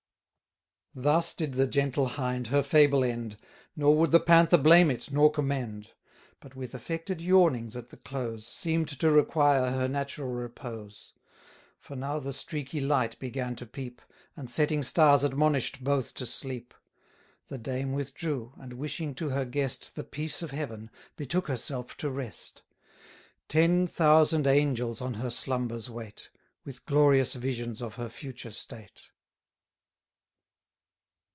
Thus did the gentle Hind her fable end, 1290 Nor would the Panther blame it, nor commend; But, with affected yawnings at the close, Seem'd to require her natural repose: For now the streaky light began to peep; And setting stars admonish'd both to sleep. The dame withdrew, and, wishing to her guest The peace of heaven, betook herself to rest. Ten thousand angels on her slumbers wait, With glorious visions of her future state.